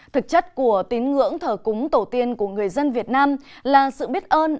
thực chất của tín ngưỡng thờ cúng tổ tiên của người dân việt nam là sự biết ơn